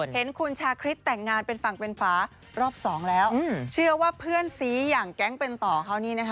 เห็นคุณชาคริสแต่งงานเป็นฝั่งเป็นฝารอบสองแล้วเชื่อว่าเพื่อนสีอย่างแก๊งเป็นต่อเขานี่นะคะ